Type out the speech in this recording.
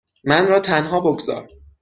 من را تنها بگذار.